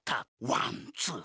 ワンツー。